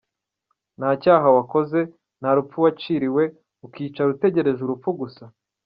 Nta cyaha wakoze, nta rubanza waciriwe, ukicara utegereje urupfu gusa?